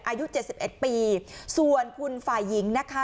อายุเจ็ดสิบเอ็ดปีส่วนคุณฝ่ายหญิงนะคะ